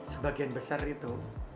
sebagian besar itu